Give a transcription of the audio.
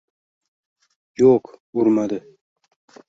Yo‘q, urmadi.